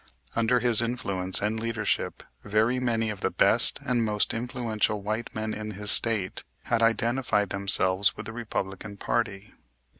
Under his influence and leadership very many of the best and most influential white men in his state had identified themselves with the Republican party.